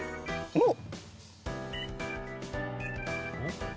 おっ。